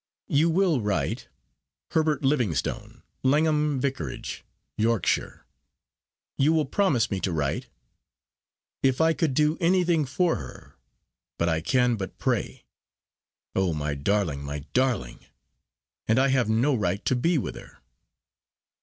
You will write Herbert Livingstone, Langham Vicarage, Yorkshire; you will promise me to write. If I could do anything for her, but I can but pray. Oh, my darling; my darling! and I have no right to be with her."